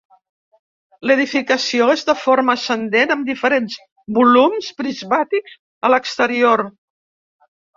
L'edificació és de forma ascendent amb diferents volums prismàtics a l'exterior.